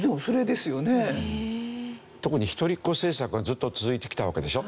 特に一人っ子政策がずっと続いてきたわけでしょ？